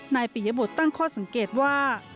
ปิยบุตรตั้งข้อสังเกตว่า